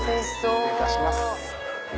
失礼いたします。